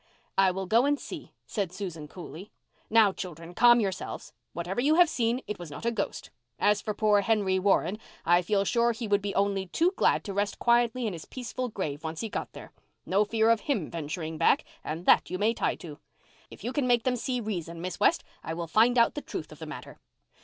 "I will go and see," said Susan coolly. "Now, children, calm yourselves. Whatever you have seen, it was not a ghost. As for poor Henry Warren, I feel sure he would be only too glad to rest quietly in his peaceful grave once he got there. No fear of him venturing back, and that you may tie to. If you can make them see reason, Miss West, I will find out the truth of the matter."